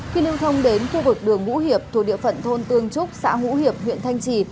khi lưu thông đến khu vực đường ngũ hiệp thuộc địa phận thôn tương trúc xã ngũ hiệp huyện thanh trì